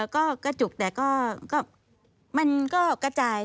ก็กระจุกแต่ก็มันก็กระจาย